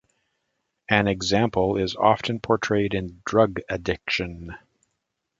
An example is often portrayed in drug addiction.